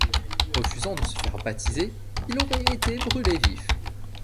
Refusant de se faire baptiser, il aurait été brûlé vif.